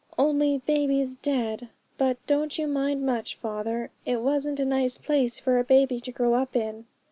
Only baby's dead. But don't you mind much, father; it wasn't a nice place for baby to grow up in.'